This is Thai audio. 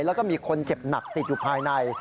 แล้วก็มีคนเจ็บหนักติดอยู่ภายใน